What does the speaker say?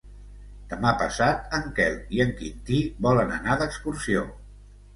Demà passat en Quel i en Quintí volen anar d'excursió.